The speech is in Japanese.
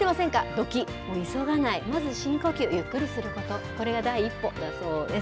どきっ、急がない、まず深呼吸、ゆっくりすること、これが第一歩だそうです。